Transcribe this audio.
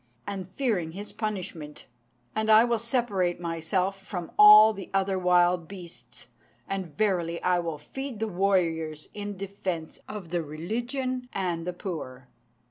and fearing His punishment; and I will separate myself from all the other wild beasts, and verily I will feed the warriors in defence of the religion and the poor."